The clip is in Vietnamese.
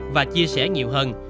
và chia sẻ nhiều hơn